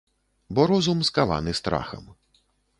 Бо розум скаваны страхам.